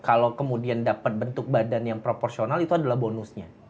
kalau kemudian dapat bentuk badan yang proporsional itu adalah bonusnya